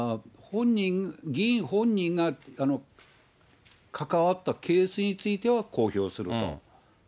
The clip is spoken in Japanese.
議員本人が関わったケースについては公表すると。